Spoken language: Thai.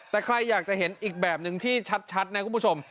แต่ใครอยากจะเห็นอีกแบบนึงที่ชัดนะคุณผู้ชม